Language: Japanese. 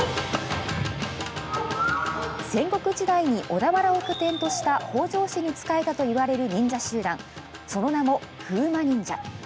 戦国時代に小田原を拠点とした北条氏に仕えたといわれる忍者集団、その名も風魔忍者。